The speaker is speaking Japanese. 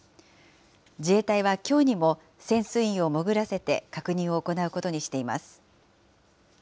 自衛隊はきょうにも、潜水員を潜らせて確認を行うことにしています。